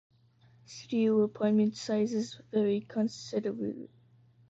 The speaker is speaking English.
Studio apartment sizes vary considerably.